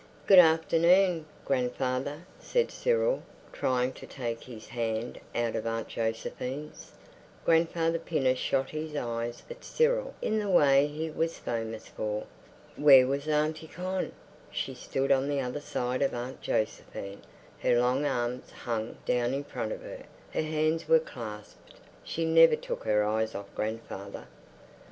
"Good afternoon, grandfather," said Cyril, trying to take his hand out of Aunt Josephine's. Grandfather Pinner shot his eyes at Cyril in the way he was famous for. Where was Auntie Con? She stood on the other side of Aunt Josephine; her long arms hung down in front of her; her hands were clasped. She never took her eyes off grandfather.